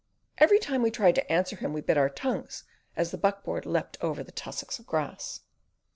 Every time we tried to answer him we bit our tongues as the buck board leapt over the tussocks of grass.